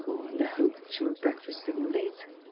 hope that she were breakfasting late.